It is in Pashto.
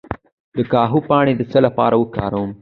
د کاهو پاڼې د څه لپاره وکاروم؟